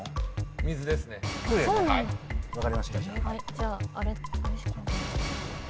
じゃああれしか。